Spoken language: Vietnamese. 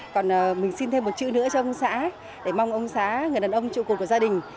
còn mình xin thêm một chữ nữa cho ông xã để mong ông xã người đàn ông trụ cuộc của gia đình